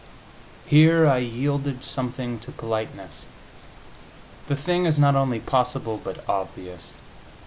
Here I yielded something to politeness; the thing is not only possible, but obvious.